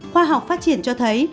khoa học phát triển cho thấy